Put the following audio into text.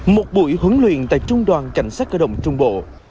một buổi huấn luyện tại trung đoàn cảnh sát cơ động trung bộ